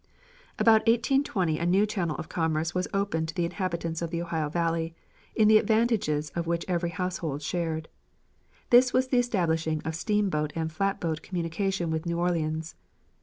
About 1820 a new channel of commerce was opened to the inhabitants of the Ohio Valley, in the advantages of which every household shared. This was the establishing of steamboat and flatboat communication with New Orleans.